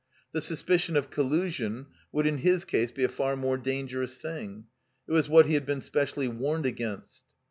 The suspicion of collusion would in his case be a far more dangerous thing. It was what he had been specially warned against.